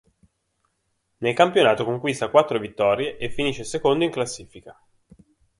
Nel campionato conquista quattro vittorie e finisce secondo in classifica.